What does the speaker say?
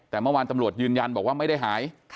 แต่เมื่อวานตำรวจยืนยันบอกว่าไม่ได้หาย